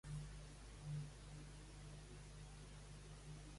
L'arapaho és una llengua algonquina de la família àlgica.